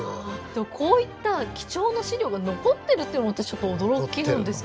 でもこういった貴重な資料が残ってるっていうのも私驚きなんですけど。